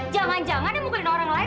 jangan jangan dia mukulin orang lain